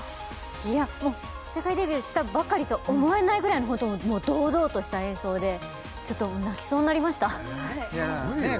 いやもう世界デビューしたばかりと思えないぐらいのホントもう堂々とした演奏でちょっと泣きそうになりましたねえ